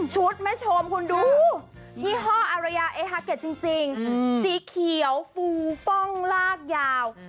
แม่ชมคุณดูยี่ห้ออารยาเอฮาเก็ตจริงสีเขียวฟูป้องลากยาว